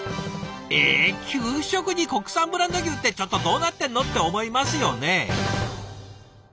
えっ給食に国産ブランド牛ってちょっとどうなってんのって思いますよね。